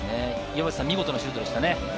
見事なシュートでしたね。